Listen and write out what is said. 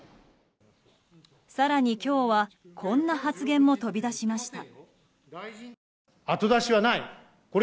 更に、今日はこんな発言も飛び出しました。